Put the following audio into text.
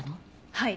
はい。